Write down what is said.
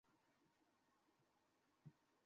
আপনি আমাকে নিয়ে কোন গল্প লিখতে পারবেন না।